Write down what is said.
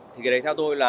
thì cái đấy theo tôi